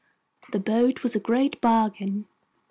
The boat was a great bargain.